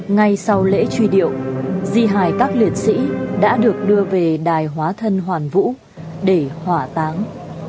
ngay sau lễ truy điệu di hài các liệt sĩ đã được đưa về đài hóa thân hoàn vũ để hỏa táng